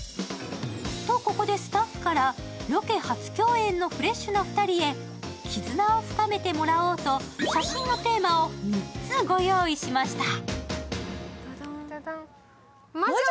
と、ここでスタッフからロケ初共演のフレッシュな２人へ絆を深めてもらおうと、写真のテーマを３つご用意しました。